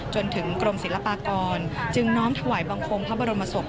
จนถึงกรมศิลปากรจึงน้อมถวายบังคมพระบรมศพ